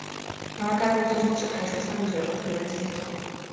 然而该国最终只派出三名选手参加击剑项目。